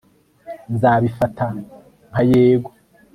nzabifata nka yego